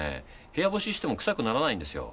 部屋干ししてもくさくならないんですよ